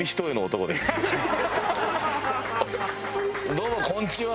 「」どうもこんにちは。